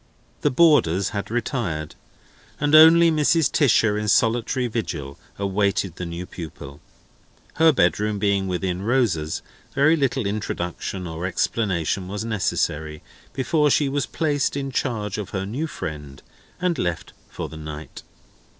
The boarders had retired, and only Mrs. Tisher in solitary vigil awaited the new pupil. Her bedroom being within Rosa's, very little introduction or explanation was necessary, before she was placed in charge of her new friend, and left for the night.